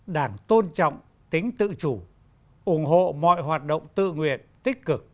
đảng tôn trọng tính tự chủ ủng hộ mọi hoạt động tự nguyện tích cực